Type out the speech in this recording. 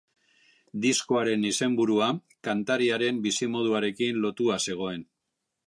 Diskoaren izenburua kantariaren bizimoduarekin lotua zegoen.